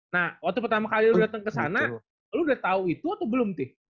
nah waktu pertama kali lu dateng kesana lu udah tau itu atau belum sih